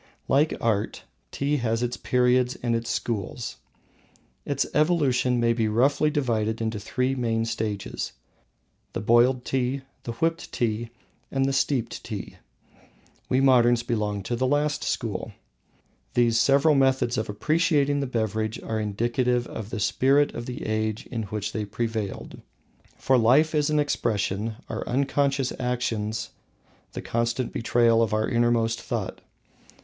Like Art, Tea has its periods and its schools. Its evolution may be roughly divided into three main stages: the Boiled Tea, the Whipped Tea, and the Steeped Tea. We moderns belong to the last school. These several methods of appreciating the beverage are indicative of the spirit of the age in which they prevailed. For life is an expression, our unconscious actions the constant betrayal of our innermost thought.